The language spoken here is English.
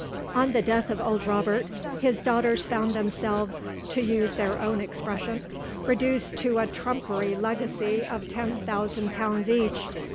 On the death of old Robert, his daughters found themselves (to use their own expression) reduced to a trumpery legacy of ten thousand pounds each.